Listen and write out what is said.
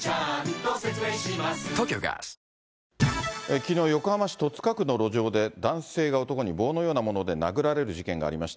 きのう、横浜市戸塚区の路上で、男性が男に棒のようなもので殴られる事件がありました。